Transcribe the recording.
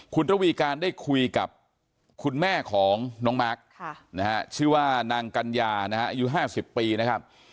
คุณระวีการได้คุยกับคุณแม่ของน้องมาร์คชื่อว่านางกัญญานะฮะอายุ๕๐ปีนะครับ